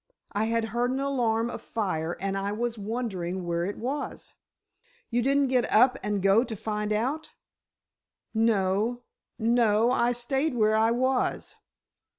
I had heard an alarm of fire, and I was wondering where it was." "You didn't get up and go to find out?" "No—no, I stayed where I was."